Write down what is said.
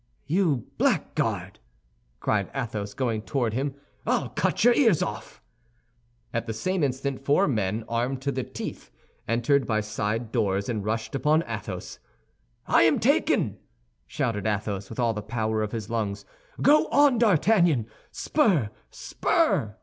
"You blackguard!" cried Athos, going toward him, "I'll cut your ears off!" At the same instant, four men, armed to the teeth, entered by side doors, and rushed upon Athos. "I am taken!" shouted Athos, with all the power of his lungs. "Go on, D'Artagnan! Spur, spur!"